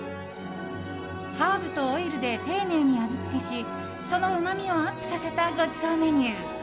ハーブとオイルで丁寧に味付けしそのうまみをアップさせたごちそうメニュー。